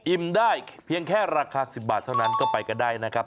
ได้เพียงแค่ราคา๑๐บาทเท่านั้นก็ไปกันได้นะครับ